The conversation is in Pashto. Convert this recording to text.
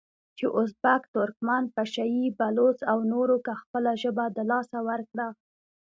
چې ازبک، ترکمن، پشه یي، بلوڅ او نورو که خپله ژبه د لاسه ورکړه،